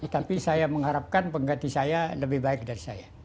tapi saya mengharapkan pengganti saya lebih baik dari saya